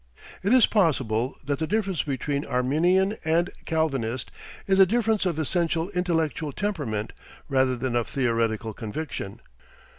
It is possible that the difference between Arminian and Calvinist is a difference of essential intellectual temperament rather than of theoretical conviction.